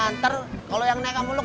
ntar kalau yang naik kamu lo ketularan